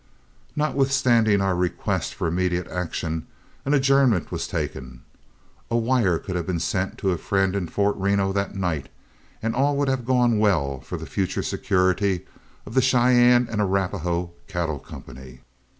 Notwithstanding our request for immediate action, an adjournment was taken. A wire could have been sent to a friend in Fort Reno that night, and all would have gone well for the future security of the Cheyenne and Arapahoe Cattle Company.